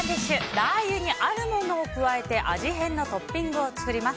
ラー油にあるものを加えて味変のトッピングを作ります。